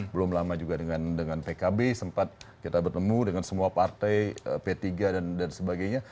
belum lama juga dengan pkb sempat kita bertemu dengan semua partai p tiga dan sebagainya